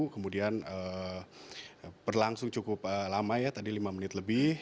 kemudian berlangsung cukup lama ya tadi lima menit lebih